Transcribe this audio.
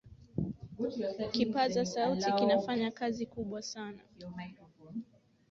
kipaza sauti kinafanya kazi kubwa sana